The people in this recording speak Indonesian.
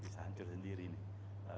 bisa hancur sendiri nih